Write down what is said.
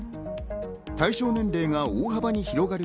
対象年齢が大幅に広がる